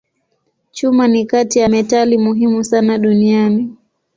Chuma ni kati ya metali muhimu sana duniani.